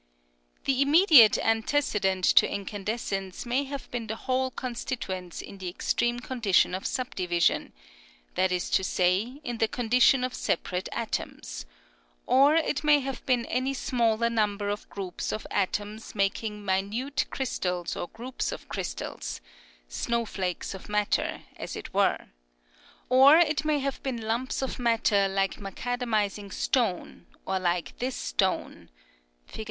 The immediate antecedent to incandescence may have been the whole constituents in the extreme condition of subdivision ŌĆö that is to say, in the condition of separate atoms; or it may have been any smaller number of groups of atoms making minute crystals or groups of crystals ŌĆö snowflakes of matter, as it were; or it may have been lumps of matter like macadamising stone; or like this stone (Fig.